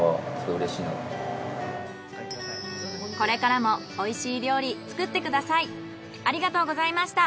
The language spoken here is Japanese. これからもおいしい料理作ってください。